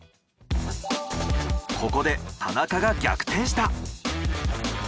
ここで田中が逆転した。